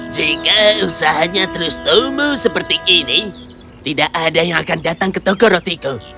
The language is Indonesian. jika usahanya terus tumbuh seperti ini tidak ada yang akan datang ke toko rotiku